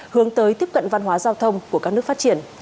hướng tới tiếp cận văn hóa giao thông của các nước phát triển